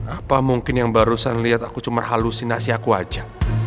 apa mungkin yang barusan lihat aku cuma halusinasi aku aja